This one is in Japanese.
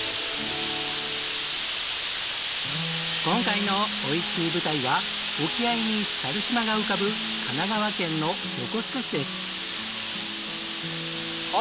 今回のおいしい舞台は沖合に猿島が浮かぶ神奈川県の横須賀市です。